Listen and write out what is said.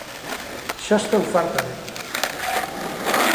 Xa estou farta de ti!